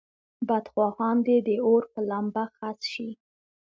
بدخواهان دې د اور په لمبه خس شي.